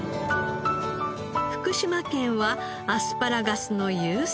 福島県はアスパラガスの有数の産地。